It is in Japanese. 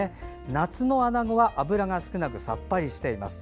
夏のアナゴは脂が少なくさっぱりしています。